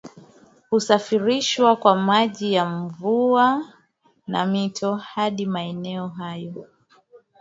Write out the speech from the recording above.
Husafirishwa kwa maji ya mvua na mito hadi maeneo hayo